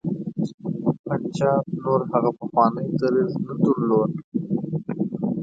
پنجاب نور هغه پخوانی دریځ نه درلود.